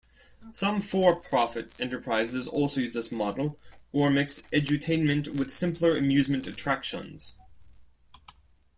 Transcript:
Some for-profit enterprises also use this model, or mix edutainment with simpler amusement attractions.